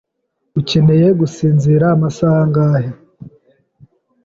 Ukeneye gusinzira amasaha angahe?